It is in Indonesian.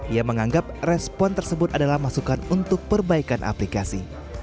ia menganggap respon tersebut adalah masukan untuk perbaikan aplikasi